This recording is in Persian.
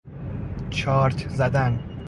چارت زدن